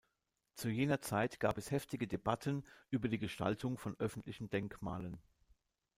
Zu jener Zeit gab es heftige Debatten über die Gestaltung von öffentlichen Denkmalen.